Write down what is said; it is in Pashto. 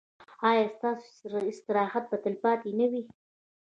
ایا ستاسو استراحت به تلپاتې نه وي؟